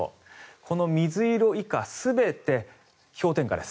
この水色以下全て氷点下です。